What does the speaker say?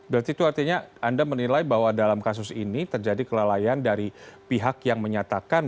berarti itu artinya anda menilai bahwa dalam kasus ini terjadi kelalaian dari pihak yang menyatakan